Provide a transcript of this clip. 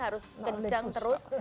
harus kencang terus